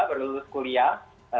baru lulus kuliah